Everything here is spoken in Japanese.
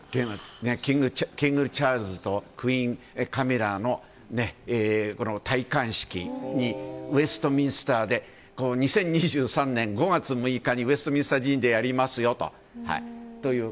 キングチャールズとクイーンカミラの戴冠式に２０２３年５月６日にウェストミンスター寺院でやりますよという。